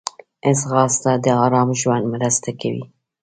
ځغاسته د آرام ژوند مرسته کوي